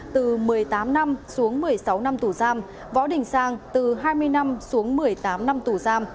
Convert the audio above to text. từ một mươi tám năm xuống một mươi sáu năm tù giam võ đình sang từ hai mươi năm xuống một mươi tám năm tù giam